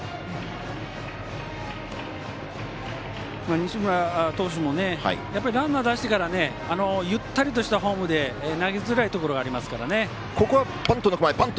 西村投手もランナー出してからゆったりとしたフォームで投げづらいところがありますね。